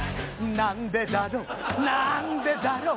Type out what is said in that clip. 「なんでだなんでだろう」